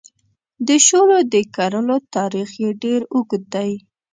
د شولو د کرلو تاریخ یې ډېر اوږد دی.